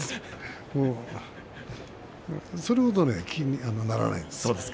それほどね気にならないですよ。